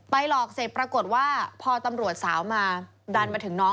หลอกเสร็จปรากฏว่าพอตำรวจสาวมาดันมาถึงน้อง